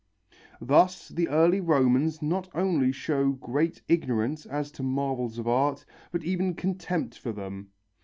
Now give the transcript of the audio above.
Thus the early Romans not only show great ignorance as to marvels of art, but even contempt for them.